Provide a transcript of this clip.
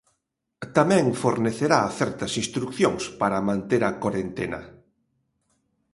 Tamén fornecerá certas instrucións para manter a corentena.